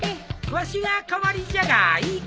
わしが代わりじゃがいいかい？